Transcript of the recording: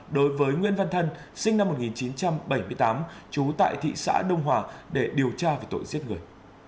đối với nguyễn văn thân sinh năm một nghìn chín trăm bảy mươi tám trú tại thị xã đông hòa để điều tra về tội giết người